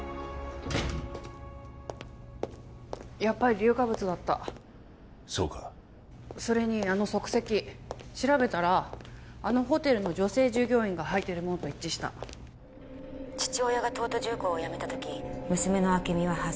やっぱり硫化物だったそうかそれにあの足跡調べたらあのホテルの女性従業員が履いてるものと一致した父親が東都重工を辞めた時娘の明美は８歳